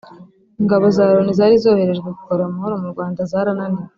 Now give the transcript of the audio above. Ingabo za Loni zari zoherejwe kugarura amahoro mu Rwanda zarananiwe